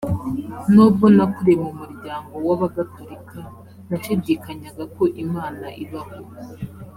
nubwo nakuriye mu muryango w ‘abagatolika, nashidikanyaga ko imana ibaho.